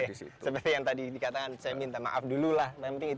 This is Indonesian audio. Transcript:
seperti yang tadi dikatakan saya minta maaf dulu lah